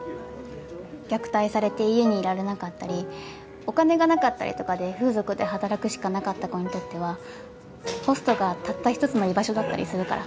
虐待されて家にいられなかったりお金がなかったりとかで風俗で働くしかなかった子にとってはホストがたった１つの居場所だったりするから。